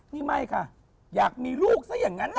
นี่ไม่ค่ะอยากมีลูกซะอย่างนั้น